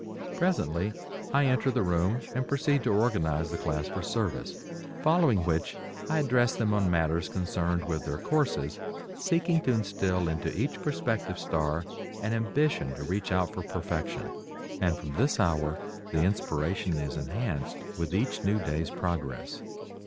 Presently, I enter the room and proceed to organize the class for service, following which I address them on matters concerned with their courses, seeking to instill into each prospective star an ambition to reach out for perfection. And from this hour the inspiration is enhanced with each new day's progress.